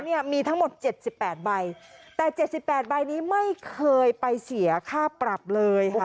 มีทั้งหมด๗๘ใบแต่๗๘ใบนี้ไม่เคยไปเสียค่าปรับเลยค่ะ